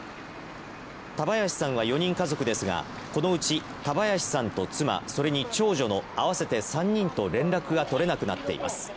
田林さんは４人家族ですが、このうち田林さんと妻、それに長女の合わせて３人と連絡が取れなくなっています。